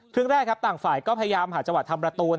แรกครับต่างฝ่ายก็พยายามหาจังหวะทำประตู